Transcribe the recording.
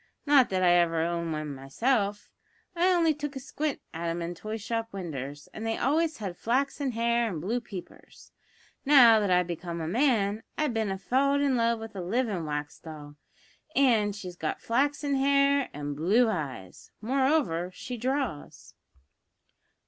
Not that I ever owned one myself; I only took a squint at 'em in toy shop winders, and they always had flaxen hair and blue peepers. Now that I've become a man, I've bin an' falled in love with a livin' wax doll, an' she's got flaxen hair an' blue eyes; moreover, she draws."